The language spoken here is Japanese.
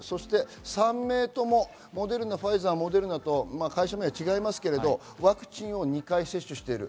３名ともモデルナ、ファイザー、モデルナと会社名は違いますが、ワクチンを２回接種しています。